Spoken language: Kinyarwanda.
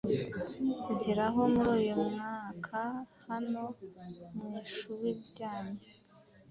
kugeraho muri uyu mwaka hano mu ishuri ryanyu.